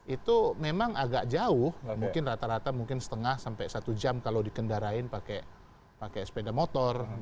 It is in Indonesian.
itu memang agak jauh mungkin rata rata mungkin setengah sampai satu jam kalau dikendarain pakai sepeda motor